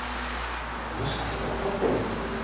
もしかして怒ってるんですかね？